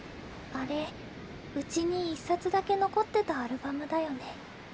あれうちに１冊だけ残ってたアルバムだよね。